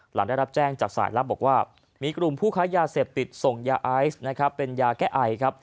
หลังได้รับแจ้งจากสายลับบอกว่ามีกลุ่มผู้ค้ายาเสพติดส่งยาไอซ์นะครับเป็นยาแก้ไอครับ